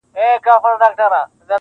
• خو تېروتنې بيا تکراريږي ډېر..